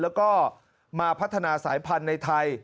แล้วก็มาพัฒนาสายพันธุ์ในไทย